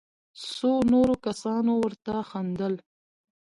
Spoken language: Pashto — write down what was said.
څو نورو کسانو ورته خندل.